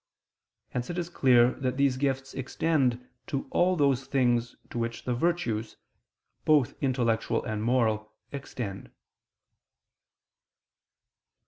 Hence it is clear that these gifts extend to all those things to which the virtues, both intellectual and moral, extend.